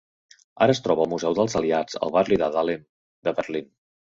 Ara es troba al Museu dels Aliats al barri de Dahlem de Berlín.